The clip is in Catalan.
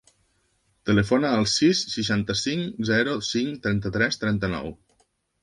Telefona al sis, seixanta-cinc, zero, cinc, trenta-tres, trenta-nou.